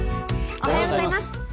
おはようございます。